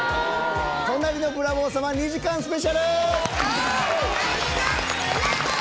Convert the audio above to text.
『隣のブラボー様』２時間スペシャル！